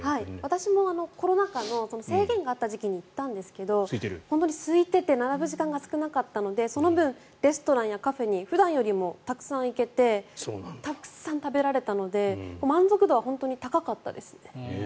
私もコロナ禍の制限があった時期に行ったんですが本当にすいていて並ぶ時間が少なかったのでその分、レストランやカフェに普段よりもたくさん行けてたくさん食べられたので満足度は本当に高かったですね。